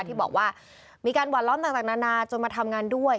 ที่บอกว่ามีการหวัดล้อมต่างนานาจนมาทำงานด้วย